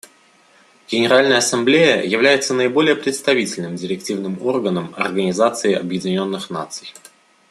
Генеральная Ассамблея является наиболее представительным директивным органом Организации Объединенных Наций.